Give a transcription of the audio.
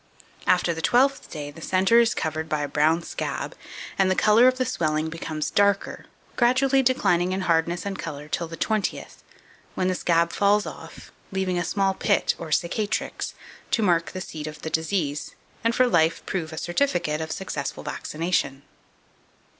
After the twelfth day the centre is covered by a brown scab, and the colour of the swelling becomes darker, gradually declining in hardness and colour till the twentieth, when the scab falls, off, leaving a small pit, or cicatrix, to mark the seat of the disease, and for life prove a certificate of successful vaccination.